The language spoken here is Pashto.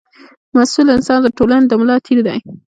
مسوول انسان د ټولنې د ملا تېر دی.